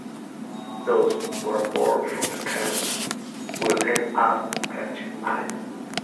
Those who are born from a cat will end up catching mice.